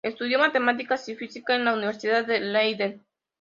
Estudió matemáticas y física en la Universidad de Leiden.